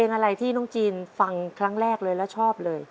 อะไรที่น้องจีนฟังครั้งแรกเลยแล้วชอบเลย